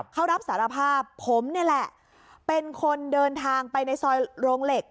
เขารับสารภาพผมนี่แหละเป็นคนเดินทางไปในซอยโรงเหล็ก